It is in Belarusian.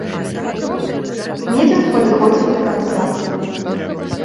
Мітынг падыходзіў да канца.